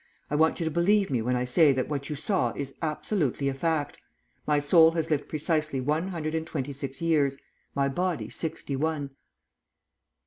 I want you to believe me when I say that what you saw is absolutely a fact. My soul has lived precisely one hundred and twenty six years, my body sixty one!"